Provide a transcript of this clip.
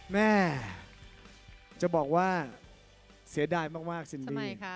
แม่จะบอกว่าเสียดายมากซินดี